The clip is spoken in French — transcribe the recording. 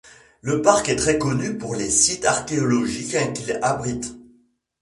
Le parc est très connu pour les sites archéologiques qu'il abrite.